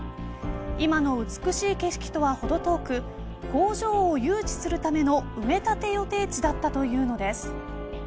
今の美しい景色とは、ほど遠く工場を誘致するための埋め立て予定地だったというのです。